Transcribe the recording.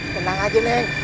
tenang aja neng